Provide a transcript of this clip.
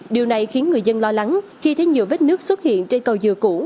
điều này khiến người dân lo lắng khi thấy nhiều vết nước xuất hiện trên cầu dừa cũ